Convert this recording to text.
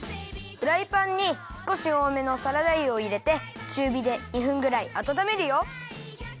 フライパンにすこしおおめのサラダ油をいれてちゅうびで２分ぐらいあたためるよ。